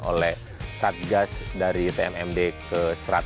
oleh satgas dari tmmd ke satu ratus enam puluh